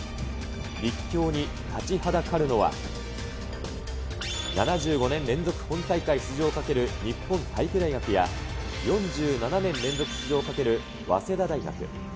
立教に立ちはだかるのは、７５年連続本大会出場をかける日本体育大学や、４７年連続出場をかける早稲田大学。